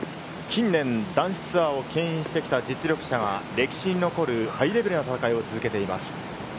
近年、男子ツアーをけん引してきた実力者が歴史に残るハイレベルな戦いを続けています。